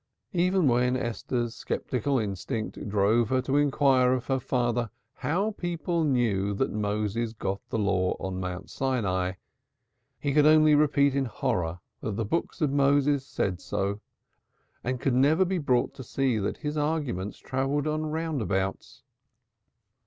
Even when Esther's sceptical instinct drove her to inquire of her father how people knew that Moses got the Law on Mount Sinai, he could only repeat in horror that the Books of Moses said so, and could never be brought to see that his arguments travelled on roundabouts.